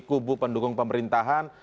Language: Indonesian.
kubu pendukung pemerintahan